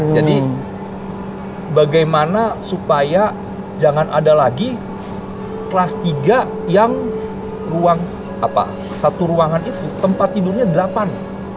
jadi bagaimana supaya jangan ada lagi kelas tiga yang ruang satu ruangan itu tempat tidurnya delapan